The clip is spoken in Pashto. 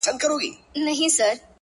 ما يې توبه د کور ومخته په کوڅه کي وکړه _